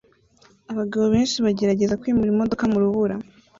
Abagabo benshi bagerageza kwimura imodoka mu rubura